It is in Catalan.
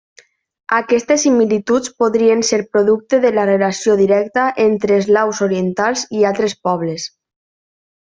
Aquestes similituds podrien ser producte de la relació directa entre eslaus orientals i altres pobles.